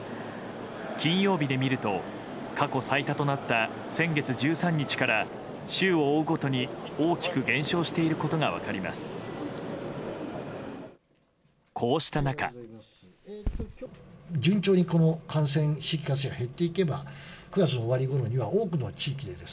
金曜日で見ると過去最多となった先月１３日から週を追うごとに大きく減少していることが分かります。